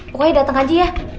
pokoknya dateng aja ya